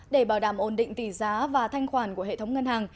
để bảo đảm ổn định tỷ giá và thanh khoản của hệ thống ngân hàng